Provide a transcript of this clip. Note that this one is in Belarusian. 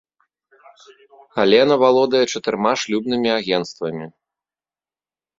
Алена валодае чатырма шлюбнымі агенцтвамі.